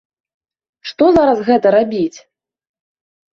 Што зараз гэта рабіць?